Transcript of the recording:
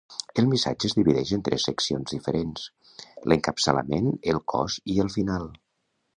El missatge es divideix en tres seccions diferents: l'encapçalament, el cos i el final.